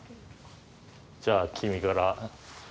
じゃあ君から。